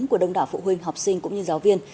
của đông đảo phụ huynh học sinh cũng như giáo viên